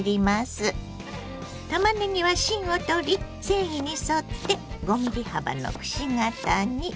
たまねぎは芯を取り繊維に沿って５ｍｍ幅のくし形に。